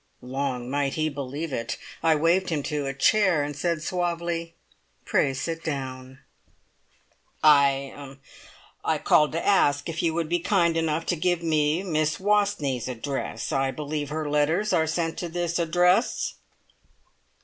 Long might he believe it! I waved him to a chair, and said suavely, "Pray sit down." "I er I called to ask if you would be kind enough to give me Miss Wastneys' address. I believe her letters are sent to this address."